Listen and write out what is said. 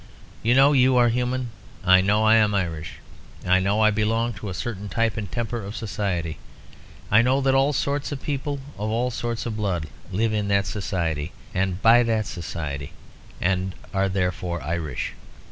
You know you are human; I know I am Irish. I know I belong to a certain type and temper of society; and I know that all sorts of people of all sorts of blood live in that society and by that society; and are therefore Irish.